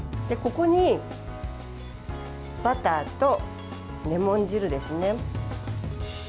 ここに、バターとレモン汁ですね。